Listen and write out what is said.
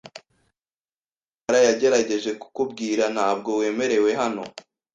Nkuko rukara yagerageje kukubwira, ntabwo wemerewe hano .